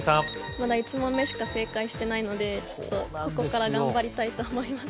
まだ１問目しか正解してないのでここから頑張りたいと思います